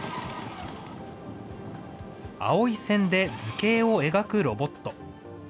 青い線で図形を描くロボット。